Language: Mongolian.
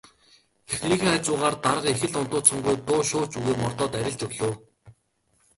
Эхнэрийнхээ хажуугаар дарга их л ундууцангуй дуу шуу ч үгүй мордоод арилж өглөө.